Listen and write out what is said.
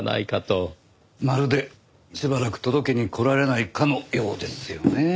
まるでしばらく届けに来られないかのようですよね。